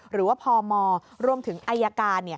หรือว่าพมรวมถึงอายการ